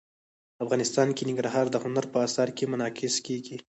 افغانستان کې ننګرهار د هنر په اثار کې منعکس کېږي.